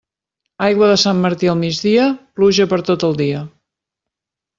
Aigua de Sant Martí al migdia, pluja per tot el dia.